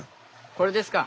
これですか！